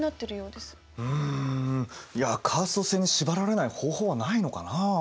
うんいやカースト制に縛られない方法はないのかなあ。